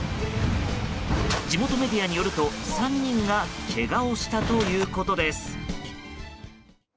地元メディアによると３人がけがをしたということです。